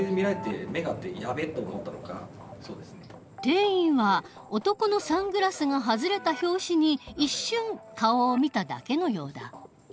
店員は男のサングラスが外れた拍子に一瞬顔を見ただけのようだ。